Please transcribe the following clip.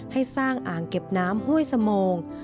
ให้สร้างอ่างเก็บน้ำห้วยสโมง